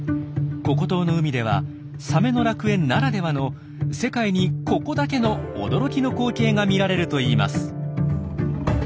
ココ島の海ではサメの楽園ならではの世界にココだけの驚きの光景が見られるといいます。